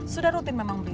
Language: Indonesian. sudah rutin memang